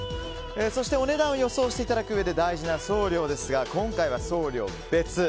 そしてお値段を予想していただくうえで大事な送料ですが、今回は送料別。